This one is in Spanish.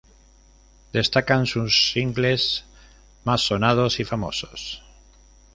Destacan sus singles más sonados y famosos.